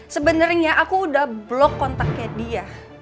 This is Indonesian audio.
sebenarnya aku udah blok kontaknya dia